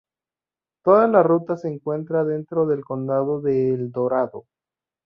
Toda la ruta se encuentra dentro del condado de El Dorado.